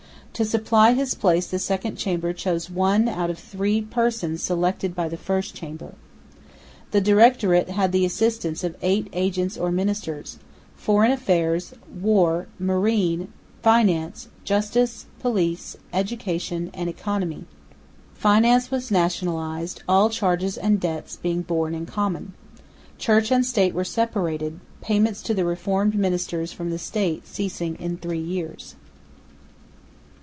To supply his place the Second Chamber chose one out of three persons selected by the First Chamber. The Directorate had the assistance of eight agents or ministers: Foreign Affairs, War, Marine, Finance, Justice, Police, Education, and Economy. Finance was nationalised, all charges and debts being borne in common. Church and State were separated, payments to the Reformed ministers from the State ceasing in three years.